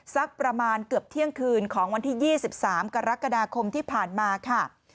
สักประมาณเกือบเที่ยงคืนของวันที่๒๓กรกฎาคมที่ผ่านมาค่ะ